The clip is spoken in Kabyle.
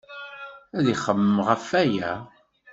Ad ixemmem ɣef waya.